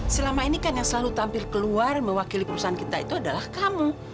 selama ini kan yang selalu tampil keluar mewakili perusahaan kita itu adalah kamu